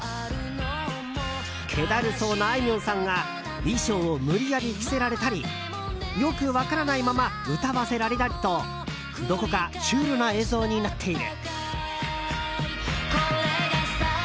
気だるそうなあいみょんさんが衣装を無理やり着せられたりよく分からないまま歌わせられたりとどこかシュールな映像になっている。